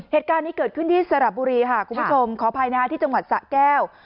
เหตุการณ์นี้เกิดขึ้นที่สระบุรีค่ะคุณผู้ชมขออภัยนะคะที่จังหวัดสะแก้ว